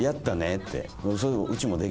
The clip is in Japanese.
って。